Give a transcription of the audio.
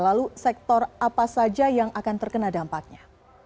lalu sektor apa saja yang akan terkena dampaknya